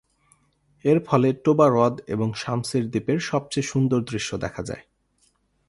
এর ফলে টোবা হ্রদ এবং সামসির দ্বীপের সবচেয়ে সুন্দর দৃশ্য দেখা যায়।